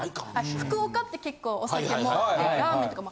福岡って結構お酒もあってラーメンとかも。